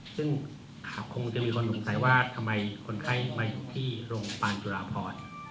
ซึ่งคงจะมีคนว่าทำไมคนไข้ร้องไฟลาพร